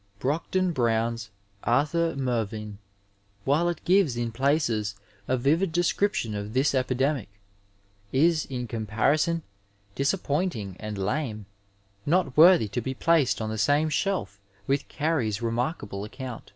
Brockden Brown's Arthw Mervyn, while it gives in places a vivid description of this epidemic, is, in comparismi, disappointing and lame, not worthy to be placed on the same shelf with Carey's remarkable account.